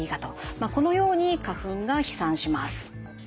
このように花粉が飛散します。